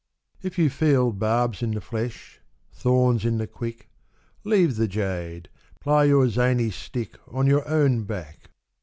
If you feel Barbs in the flesh, thorns in the quick, Leave the jade, ply your zany's stick On your own back.